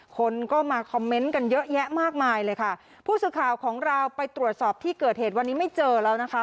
คนก็มาคอมเมนต์กันเยอะแยะมากมายเลยค่ะผู้สื่อข่าวของเราไปตรวจสอบที่เกิดเหตุวันนี้ไม่เจอแล้วนะคะ